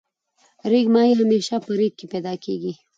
ریګ ماهی همیشه په ریګ کی پیدا کیږی.